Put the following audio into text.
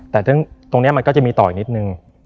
แต่ตรงนี้มันก็จะมีต่ออีกนิดนึง